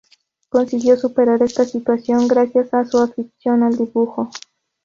Consiguió superar esta situación gracias a su afición al dibujo.